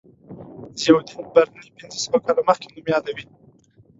ضیاءالدین برني پنځه سوه کاله مخکې نوم یادوي.